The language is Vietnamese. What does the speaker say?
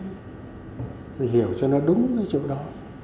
mình hiểu cho nó đúng cái chỗ đó